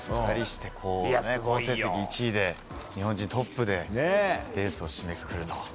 ２人して１位で日本人トップでレースを締めくくると。